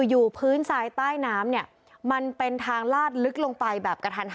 อยู่พื้นซ้ายใต้น้ำมันเป็นทางลาดลึกลงไปแบบกระทันนะคะ